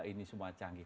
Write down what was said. ini semua canggih